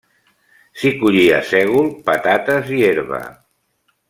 S'hi collia sègol, patates i herba.